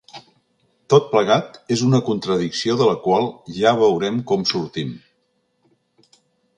Tot plegat és una contradicció de la qual ja veurem com sortim.